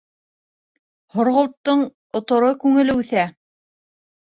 Һорғолттоң оторо күңеле үҫә.